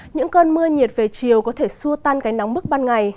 những cơn mưa nhiệt về chiều có thể xua tan cái nóng bức ban ngày